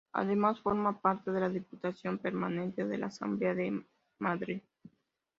Además, forma parte de la Diputación Permanente de la Asamblea de Madrid.